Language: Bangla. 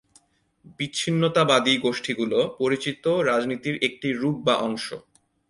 বিচ্ছিন্নতাবাদী গোষ্ঠীগুলো পরিচিত রাজনীতির একটি রূপ বা অংশ।